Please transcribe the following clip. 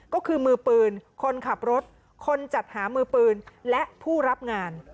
ก็คือมือปืนคนขับรถคนจัดหามือปืนและผู้รับงาน